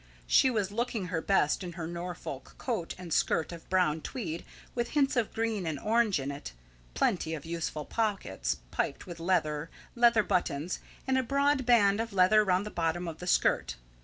She was looking her best in her Norfolk coat and skirt of brown tweed with hints of green and orange in it, plenty of useful pockets piped with leather, leather buttons, and a broad band of leather round the bottom of the skirt.